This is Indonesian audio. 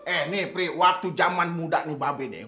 eh nih prih waktu jaman muda nih babi nih